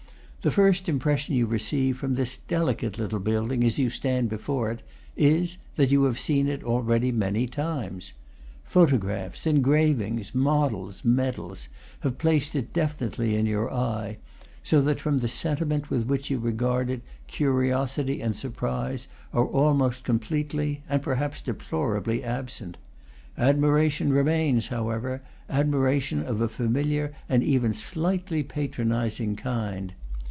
The first impression you receive from this delicate little building, as you stand before it, is that you have already seen it many times. Photographs, engravings, models, medals, have placed it definitely in your eye, so that from the sentiment with which you regard it curiosity and surprise are almost completely, and per haps deplorably, absent. Admiration remains, how ever, admiration of a familiar and even slightly patronizing kind.